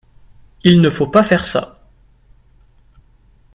Il ne faut pas faire ça.